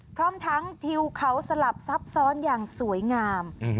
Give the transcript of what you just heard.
พร้อมทั้งทิวเขาสลับซับซ้อนอย่างสวยงาม